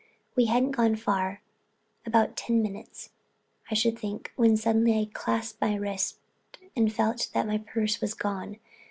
We hadn't gone far—about ten minutes, I should think—when I suddenly clasped my wrist and felt that my purse was gone.